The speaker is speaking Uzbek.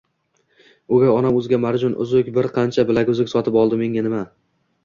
O`gay onam o`ziga marjon, uzuk, bir qancha bilaguzuk sotib oldiMenga nima